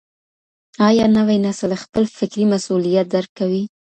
آيا نوی نسل خپل فکري مسئوليت درک کوي؟